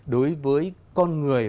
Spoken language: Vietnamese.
đối với con người